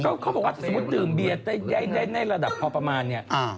ก็เขาบอกว่าสมมุติดื่มเบียนในระดับพอประมาณเนี้ยอ่า